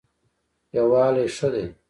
یووالی ښه دی.